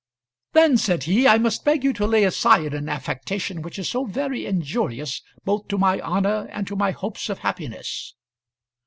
"Then," said he, "I must beg you to lay aside an affectation which is so very injurious both to my honour and to my hopes of happiness."